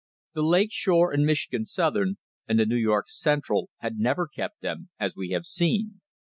The Lake Shore and Michigan Southern and the New York Central had never kept them, as we have seen.